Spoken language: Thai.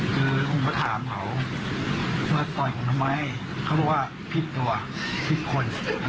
คือผมก็ถามเขาว่าต่อยผมทำไมเขาบอกว่าผิดตัวผิดคน